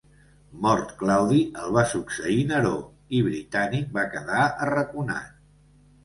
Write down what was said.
Mort Claudi el va succeir Neró, i Britànic va quedar arraconat.